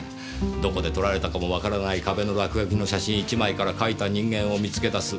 どこで撮られたかもわからない壁の落書きの写真１枚から描いた人間を見つけ出す。